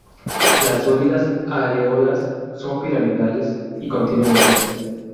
Las sólidas areolas son piramidales y contienen látex.